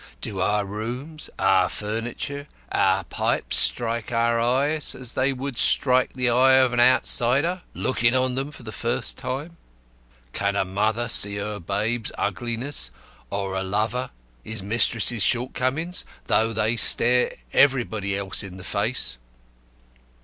Do our rooms, our furniture, our pipes strike our eye as they would strike the eye of an outsider, looking on them for the first time? Can a mother see her babe's ugliness, or a lover his mistress's shortcomings, though they stare everybody else in the face?